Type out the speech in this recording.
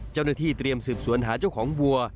เจ้าหน้าที่เตรียมสืบสวนหาเจ้าของวัว